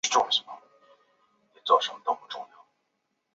不得再设置障碍